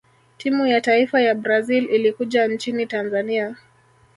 timu ya taifa ya brazil ilikuja nchini tanzania